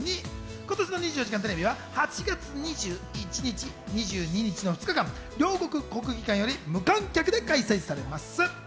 今年の『２４時間テレビ』は８月２１日、２２日の２日間、両国国技館より無観客で開催されます。